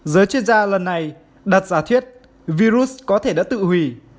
giới chuyên gia lần này đặt giả thiết virus có thể đã tự hủy